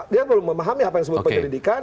dia belum memahami apa yang disebut penyelidikan